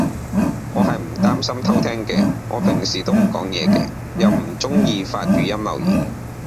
我係唔擔心偷聼嘅，我平時都唔講嘢嘅。又唔中意發語音留言